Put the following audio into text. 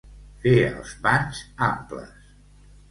Fer els pans amples.